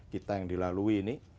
kita yang dilalui ini